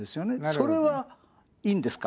それはいいんですか？